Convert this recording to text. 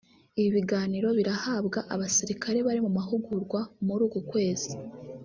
Ibi biganiro birahabwa abasirikare bari mu mahugurwa muri uku kwezi